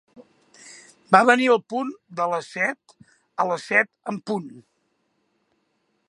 Va venir al punt de les set, a les set en punt.